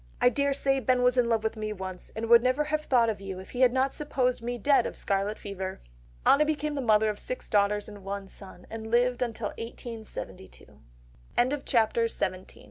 I daresay Ben was in love with me once, and would never have thought of you if he had not supposed me dead of scarlet fever." Anna became the mother of six daughters and one son, and lived until 1872. CHAPTER XVIII THE PRINCE REGENT AND EMMA In October 18